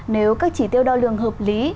nếu các chỉ tiêu đo lường hợp lý